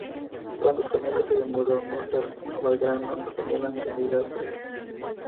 Cuando su familia se mudó de Mostar a Belgrado, asumió la nacionalidad serbia.